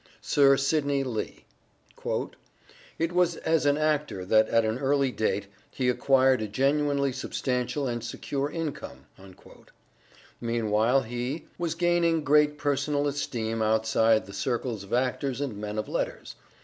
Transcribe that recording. Sir Sidney Lee :" It was as an actor that at an early date he acquired a genuinely substantial and secure income." Meanwhile he " was gaining great personal esteem outside the circles of actors and men of letters.